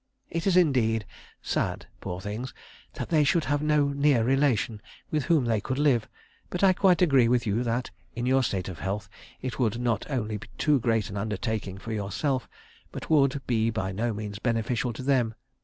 It is indeed sad, poor things, that they should have no near relation with whom they could live, but I quite agree with you that, in your state of health, it would not only be too great an undertaking for yourself, but would be by no means beneficial to them.